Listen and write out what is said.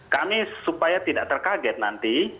kami supaya tidak terkaget nanti